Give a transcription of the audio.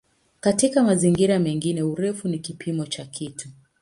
Katika mazingira mengine "urefu" ni kipimo cha kitu.